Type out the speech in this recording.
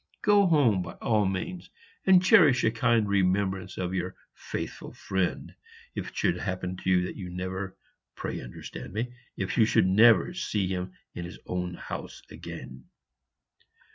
Go home by all means; and cherish a kind remembrance of your faithful friend, if it should happen that you never, pray, understand me, If you should never see him in his own house again."